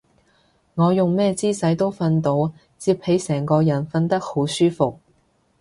我用咩姿勢都瞓到，摺起成個人瞓得好舒服